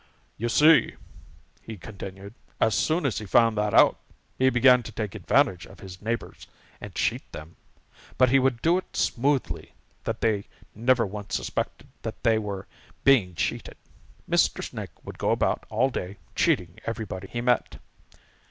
"You see," he continued, "as soon as he found that out, he began to take advantage of his neighbors and cheat them, but he would do it so smoothly that they never once suspected that they were being cheated. Mr. Snake would go about all day cheating everybody he met.